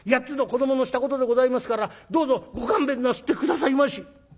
８つの子どものしたことでございますからどうぞご勘弁なすって下さいまし」。